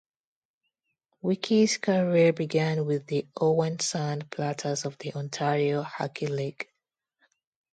Weekes' career began with the Owen Sound Platers of the Ontario Hockey League.